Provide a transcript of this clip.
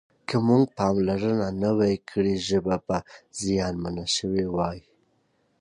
که موږ پاملرنه نه وای کړې ژبه به زیانمنه شوې وای.